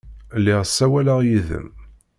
Lliɣ ssawaleɣ yid-m.